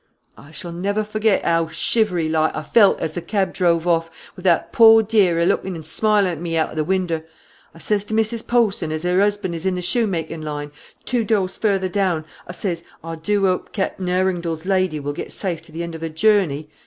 "I never shall forget how shivery like I felt as the cab drove off, with that pore dear a lookin' and smilin' at me out of the winder. I says to Mrs. Polson, as her husband is in the shoemakin' line, two doors further down, I says, 'I do hope Capting Harungdell's lady will get safe to the end of her journey.'